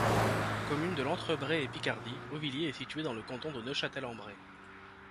Commune de l'Entre-Bray-et-Picardie, Auvilliers est située dans le canton de Neufchâtel-en-Bray.